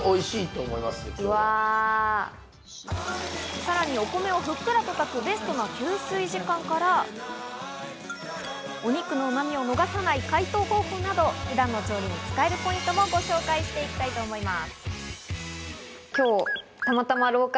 さらにお米をふっくらと炊くベストな吸水時間から、お肉のうまみを逃さない解凍方法など、普段の調理に使えるポイントもご紹介していきたいと思います。